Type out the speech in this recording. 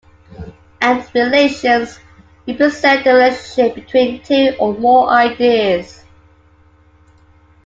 And relations represent the relationship between two or more ideas.